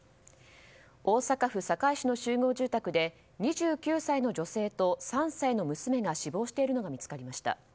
大阪府堺市の集合住宅で２９歳の女性と３歳の娘が死亡しているのが見つかりました。